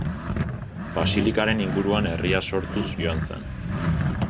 Basilikaren inguruan herria sortuz joan zen.